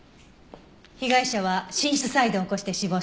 被害者は心室細動を起こして死亡したんです。